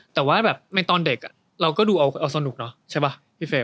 แต่ว่าแบบในตอนเด็กเราก็ดูเอาสนุกเนอะใช่ป่ะพี่เฟรม